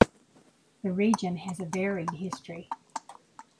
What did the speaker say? The region has a varied history.